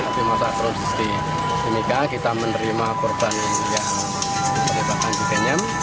tapi masalah kronologis di timika kita menerima korban yang terlibat di bandara kenyam